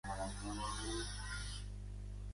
Catalunya mai serà part d'Espanya